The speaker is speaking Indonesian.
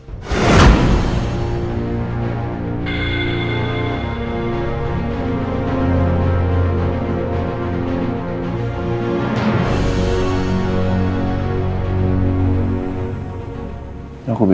tidak ada yang lebih baik